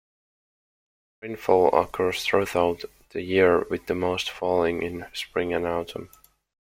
Rainfall occurs throughout the year with the most falling in spring and autumn.